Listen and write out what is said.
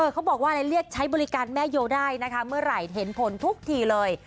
เขาบอกว่าเรียกใช้บริการแม่โยได้นะคะเมื่อไหร่เห็นผลทุกทีเลย